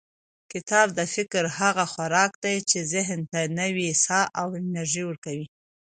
کتاب د فکر هغه خوراک دی چې ذهن ته نوې ساه او انرژي ورکوي.